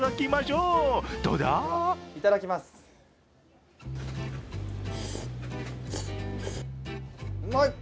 うまい！